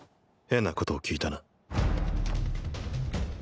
変なことを聞いたな。